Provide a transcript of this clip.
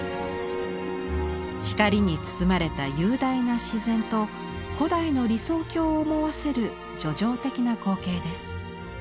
光に包まれた雄大な自然と古代の理想郷を思わせる叙情的な光景です。